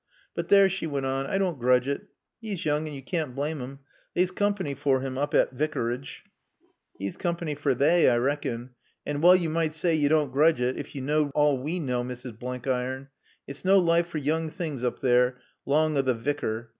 "But there," she went on. "I doan't groodge it. 'E's yoong and you caann't blaame him. They's coompany for him oop at Vicarage." "'E's coompany fer they, I rackon. And well yo' med saay yo' doan't groodge it ef yo knawed arl we knaw, Mrs. Blenkiron. It's no life fer yoong things oop there, long o' t' Vicar.